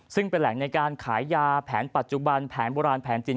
ซึ่งเป็นแหล่งในการขายยาแผนปัจจุบันแผนโบราณแผนจีน